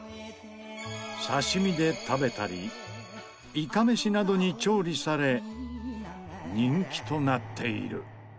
刺身で食べたりいかめしなどに調理され人気となっている。